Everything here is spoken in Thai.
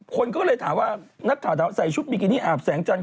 คนก็เลยถามว่านักข่าวถามใส่ชุดบิกินี่อาบแสงจันท